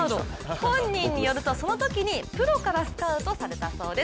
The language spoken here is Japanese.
本人によると、そのときにプロからスカウトされたそうです。